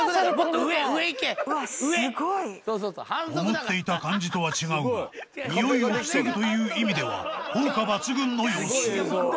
［思っていた感じとは違うが臭いを防ぐという意味では効果抜群の様子］